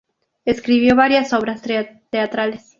Escribió varias obras teatrales.